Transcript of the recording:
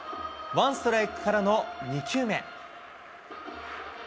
ワンストライクからの２球目。